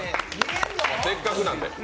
せっかくなんで。